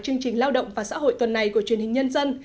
chương trình lao động và xã hội tuần này của truyền hình nhân dân